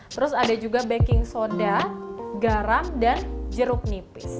terus ada juga baking soda garam dan jeruk nipis